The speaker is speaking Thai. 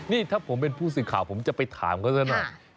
นี่ถ้าผมเป็นผู้สื่อข่าวผมจะไปถามเขาซะหน่อย